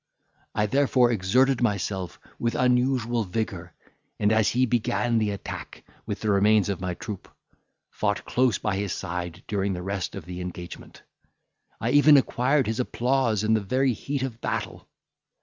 I therefore exerted myself with unusual vigour, and as he began the attack with the remains of my troop, fought close by his side during the rest of the engagement. I even acquired his applause in the very heat of battle.